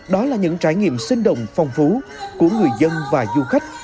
đó là những trải nghiệm sinh động phong phú của người dân và du khách